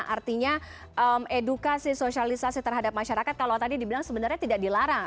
artinya edukasi sosialisasi terhadap masyarakat kalau tadi dibilang sebenarnya tidak dilarang